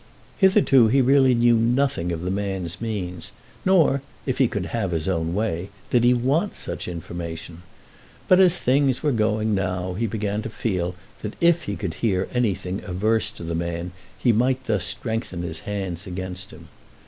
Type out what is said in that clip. Hitherto he really knew nothing of the man's means; nor, if he could have his own way, did he want such information. But, as things were going now, he began to feel that if he could hear anything averse to the man he might thus strengthen his hands against him.